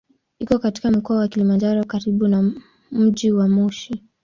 Iko katika Mkoa wa Kilimanjaro karibu na mji wa Moshi.